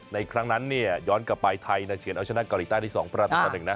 ในครั้งนั้นเนี่ยย้อนกลับไปไทยนะเฉียนเอาชนะเกาหลีใต้ที่๒พระราชนาธิกษ์